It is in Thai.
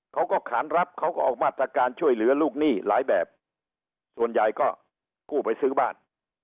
เขาก็ขานรับเขาก็ออกมาตรการช่วยเหลือลูกหนี้หลายแบบส่วนใหญ่ก็กู้ไปซื้อบ้าน